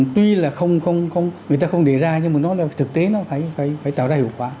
tuy là người ta không đề ra nhưng mà nó là thực tế nó phải tạo ra hiệu quả